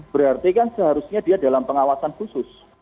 berarti kan seharusnya dia dalam pengawasan khusus